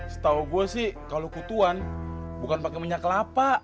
setau gua sih kalau kutuan bukan pakai minyak kelapa